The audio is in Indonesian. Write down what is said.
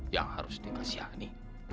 yang harus dikasihani